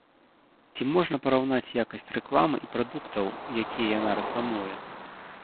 Ці можна параўнаць якасць рэкламы і прадуктаў, якія яна рэкламуе.